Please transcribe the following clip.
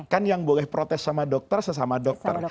kan yang boleh protes sama dokter sesama dokter